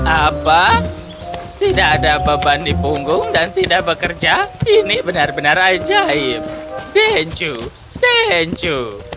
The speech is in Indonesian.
apa tidak ada beban di punggung dan tidak bekerja ini benar benar ajaib dencu dencu